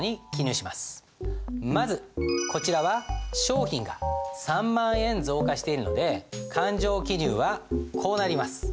まずこちらは商品が３万円増加しているので勘定記入はこうなります。